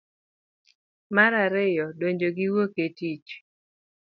mar ariyo. donjo gi wuok e tich.